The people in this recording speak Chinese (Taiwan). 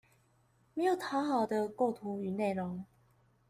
沒有討好的構圖與內容